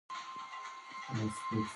راځئ چې په ګډه دې هدف ته ورسیږو.